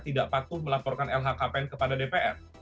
tidak patuh melaporkan lhkpn kepada dpr